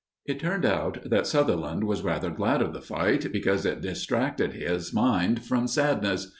It turned out that Sutherland was rather glad of the fight, because it distracted his mind from sadness.